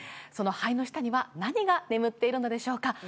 その灰の下には何が眠っているのでしょうか？